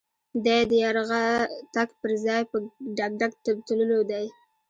دی د يرغه تګ پر ځای په ډګډګ د تللو دی.